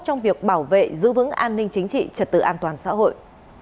trong việc bảo vệ giữ vững an ninh chính trị trật tự an toàn xã hội